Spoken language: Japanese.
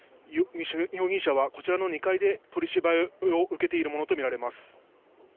容疑者はこちらの２階で取り調べを受けているものと見られます。